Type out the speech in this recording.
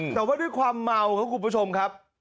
แต่ว่าด้วยความเมาครับคุณผู้ชมครับ